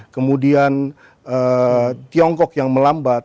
kemudian tiongkok yang melambat